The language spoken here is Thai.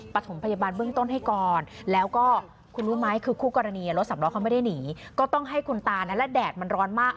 ประถมพยาบาลเบื้องต้นให้ก่อนแล้วก็คุณรู้ไหม